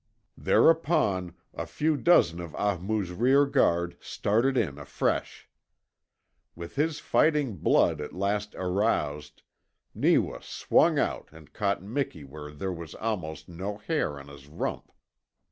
Thereupon a few dozen of Ahmoo's rear guard started in afresh. With his fighting blood at last aroused, Neewa swung out and caught Miki where there was almost no hair on his rump.